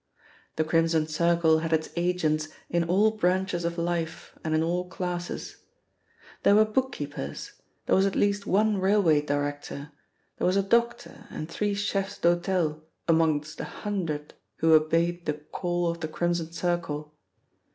The Crimson Circle had its agents in all branches of life and in all classes. There were book keepers, there was at least one railway director, there was a doctor and three chefs d'hotel amongst the hundred who obeyed the call of the Crimson Circle.